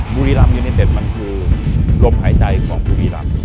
บุรีรัมย์เยอร์เต็ดมันคือรบหายใจของบุรีรัมย์